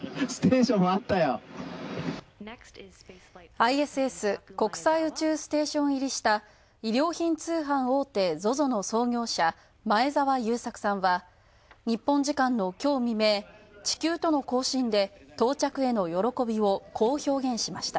ＩＳＳ＝国際宇宙ステーション入りした、衣料品通販大手ＺＯＺＯの創業者、前澤友作さんは日本時間のきょう未明、地球との交信で到着への喜びをこう表現しました。